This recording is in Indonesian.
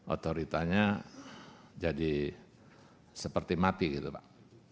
otoritanya jadi seperti mati gitu pak